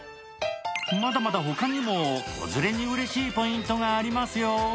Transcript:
まだまだ他にも子連れに優しいポイントがありますよ。